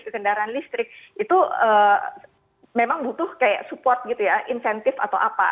jadi kendaraan listrik itu memang butuh kayak support gitu ya insentif atau apa